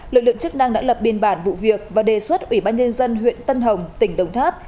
lực lượng chức năng đã lập biên bản vụ việc và đề xuất ủy ban nhân dân huyện tân hồng tỉnh đồng tháp